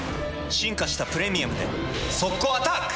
進化した「プレミアム」で速攻アタック！